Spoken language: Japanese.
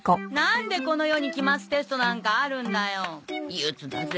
憂鬱だぜ。